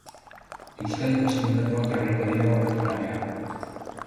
Euskadiko sindikatuak jarriko dira horretan lanean.